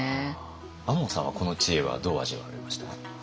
亞門さんはこの知恵はどう味わわれました？